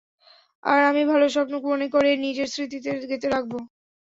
আর আমি ভাল স্বপ্ন মনে করে নিজের স্মৃতিতে গেঁতে রাখবো।